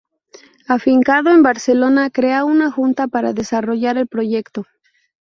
Afincado en Barcelona crea una junta para desarrollar el proyecto.